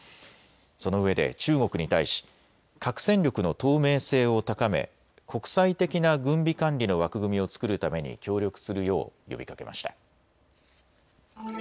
そのうえで中国に対し核戦力の透明性を高め国際的な軍備管理の枠組みを作るために協力するよう呼びかけました。